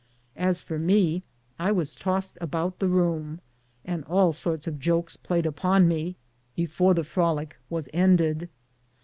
As for me, I was tossed about the room, and all sorts of jokes were played upon me before the frolic was ended.